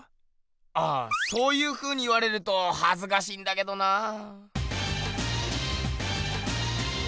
あそういうふうに言われるとはずかしいんだけどなあ。